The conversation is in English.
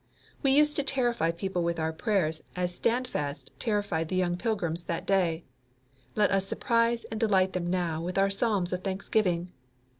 We used to terrify people with our prayers as Standfast terrified the young pilgrims that day; let us surprise and delight them now with our psalms of thanksgiving.